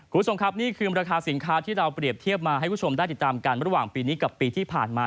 คุณผู้ชมครับนี่คือราคาสินค้าที่เราเปรียบเทียบมาให้ผู้ชมได้ติดตามกันระหว่างปีนี้กับปีที่ผ่านมา